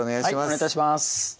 お願い致します